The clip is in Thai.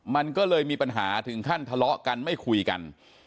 มันก็เลยมีปัญหาถึงขั้นทะเลาะกันไม่คุยกัน